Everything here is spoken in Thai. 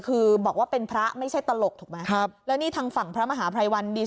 คือบอกว่าเป็นพระไม่ใช่ตลกถูกไหมครับแล้วนี่ทางฝั่งพระมหาภัยวันดี